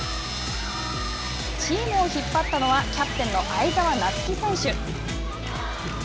チームを引っ張ったのはキャプテンの相澤菜月選手。